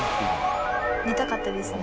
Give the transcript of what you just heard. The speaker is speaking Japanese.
寝たかったですね。